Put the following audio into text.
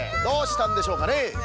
どうしたんでしょうかね？